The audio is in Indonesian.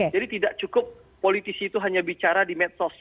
jadi tidak cukup politisi itu hanya bicara di metos